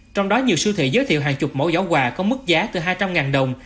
trong đó nhiều siêu thị giới thiệu hàng chục mẫu giỏ quà có mức giá từ hai trăm linh đồng